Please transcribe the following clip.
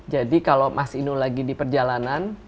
jadi kalau mas inu lagi di perjalanan